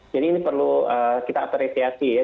jadi ini perlu kita apresiasi ya